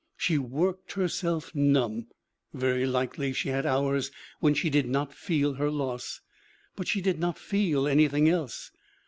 She worked herself numb ; very likely she had hours when she did not feel her loss. But she did not feel any thing else.